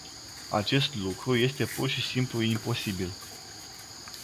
Acest lucru este pur și simplu imposibil.